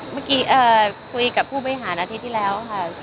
เมื่อกี้คุยกับผู้บริหารอาทิตย์ที่แล้วค่ะ